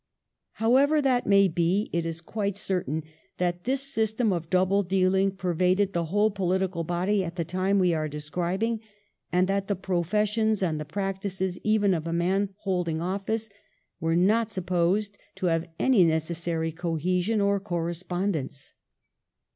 406 THE REIGN OF QUEEN ANNE. ch. xl. However that may be, it is quite certain that this system of double dealing pervaded the whole politi cal body at the time we are describing, and that the professions and the practices, even of a man holding office, were not supposed to have any necessary cohesion or correspondence.